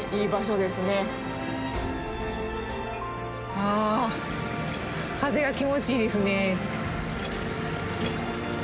ああ風が気持ちいいですね。